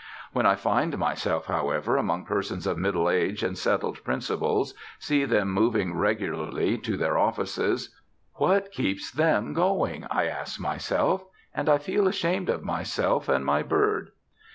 When I find myself, however, among persons of middle age and settled principles, see them moving regularly to their offices what keeps them going? I ask myself. And I feel ashamed of myself and my Bird.